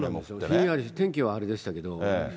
ひんやり、天気はあれでしたけど。